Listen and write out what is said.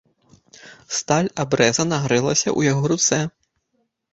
Сталь абрэза нагрэлася ў яго руцэ.